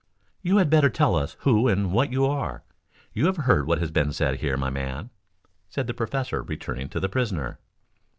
"You had better tell us who and what you are. You have heard what has been said here, my man," said the professor returning to the prisoner.